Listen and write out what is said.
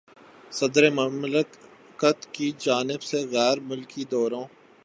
صدر مملکت کی جانب سے غیر ملکی دوروں